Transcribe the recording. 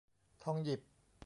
ทองหยิบ